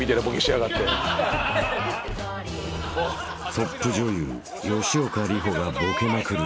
［トップ女優吉岡里帆がボケまくる